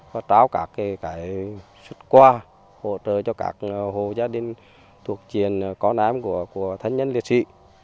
và trao các cái suất qua hỗ trợ cho các hồ gia đình thuộc triền có nám của thân nhân liệt sĩ